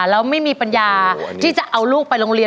แล้วไม่มีปัญญาที่จะเอาลูกไปโรงเรียน